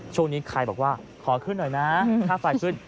ช่วงนี้ใครบอกว่าขอขึ้นหน่อยนะค่าไฟขึ้น